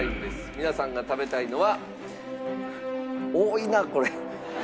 皆さんが食べたいのは多いなこれ。